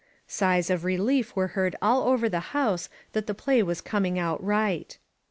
Sighs of relief were heard all over the house that the play was coming out right.